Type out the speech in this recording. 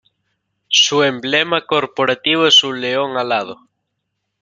Su emblema corporativo es un león alado.